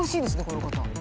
この方。